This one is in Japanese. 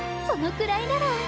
そのくらいなら。